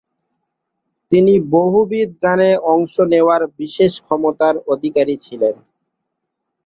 তিনি বহুবিধ গানে অংশ নেয়ার বিশেষ ক্ষমতার অধিকারী ছিলেন।